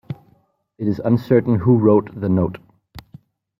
It is uncertain who wrote the note.